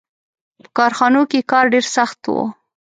• په کارخانو کې کار ډېر سخت و.